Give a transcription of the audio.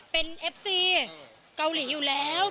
เป็นเอฟซีเกาหลีอยู่แล้ว